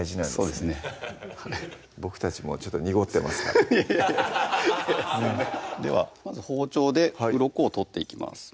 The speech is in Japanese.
そうですね僕たちもう濁ってますからではまず包丁でうろこを取っていきます